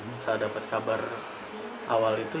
ketika kita mendapat kabar awal itu